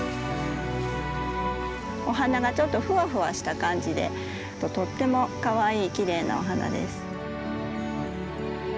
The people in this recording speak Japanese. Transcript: お花がちょっとふわふわした感じでとってもかわいいきれいなお花です。